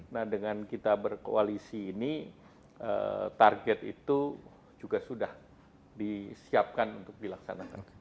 nah dengan kita berkoalisi ini target itu juga sudah disiapkan untuk dilaksanakan